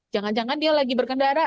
jangan jangan dia lagi berkendara